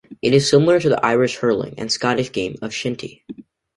It is similar to the Irish hurling, and Scottish game of shinty.